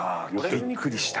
びっくりした。